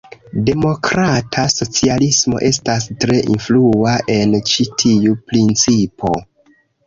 Demokrata socialismo estas tre influa en ĉi tiu principo.